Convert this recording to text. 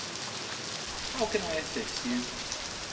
How can I assist you?